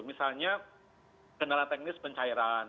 misalnya kendala teknis pencairan